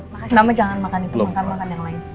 makasih mama jangan makan itu makan makan yang lain